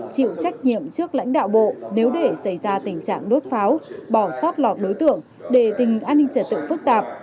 chịu trách nhiệm trước lãnh đạo bộ nếu để xảy ra tình trạng đốt pháo bỏ sót lọt đối tượng để tình an ninh trật tự phức tạp